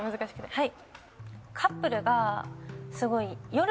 はい。